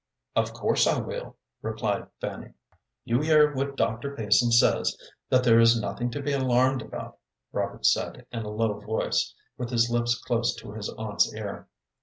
"Of course I will," replied Fanny. "You hear what Dr. Payson says, that there is nothing to be alarmed about," Robert said, in a low voice, with his lips close to his aunt's ear.